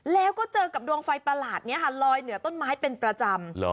แล้วก็เจอกับดวงไฟประหลาดนี้ค่ะลอยเหนือต้นไม้เป็นประจำ